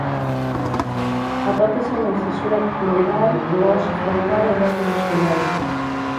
Atópase na incisura etmoidal do óso frontal e diante do esfenoide.